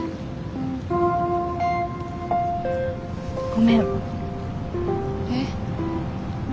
ごめん。え？